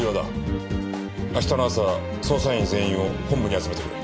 明日の朝捜査員全員を本部に集めてくれ。